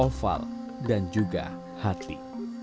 oval dan juga hati